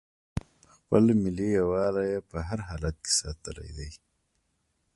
خپل ملي یووالی یې په هر حالت کې ساتلی دی.